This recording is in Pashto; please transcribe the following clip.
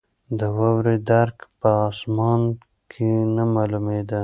د واورې درک په اسمان کې نه معلومېده.